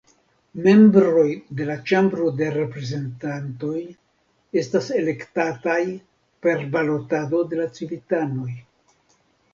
Membroj de la Ĉambro de Reprezentantoj estas elektataj per balotado de la civitanoj.